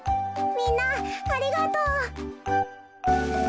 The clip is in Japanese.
みんなありがとう。